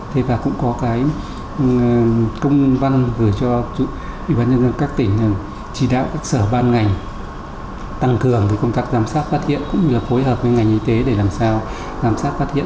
thế và cũng có cái công văn gửi cho ủy ban nhân dân các tỉnh chỉ đạo các sở ban ngành tăng cường công tác giám sát phát hiện cũng như là phối hợp với ngành y tế để làm sao giám sát phát hiện